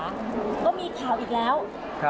ก็มีข่าวอีกแล้ว